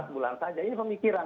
empat bulan saja ini pemikiran